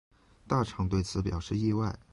大场对此表示意外。